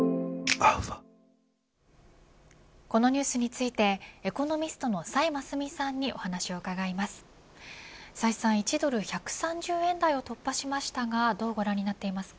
このニュースについてエコノミストの崔真淑さんにお話を伺います。